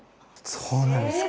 そうなんですか。